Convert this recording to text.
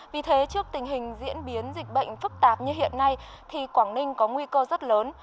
vì thế trước tình hình diễn biến dịch bệnh phức tạp như hiện nay thì quảng ninh có nguy cơ rất lớn